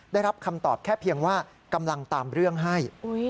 ได้รับคำตอบแค่เพียงว่ากำลังตามเรื่องให้